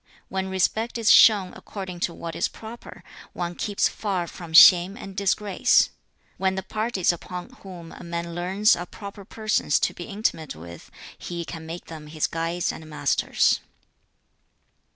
When respect is shown according to what is proper, one keeps far from shame and disgrace. When the parties upon whom a man leans are proper persons to be intimate with, he can make them his guides and masters.'